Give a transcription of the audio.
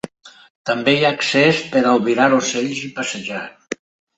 També hi ha accés per albirar ocells i passejar.